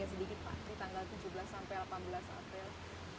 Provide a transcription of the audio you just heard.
saat itu ya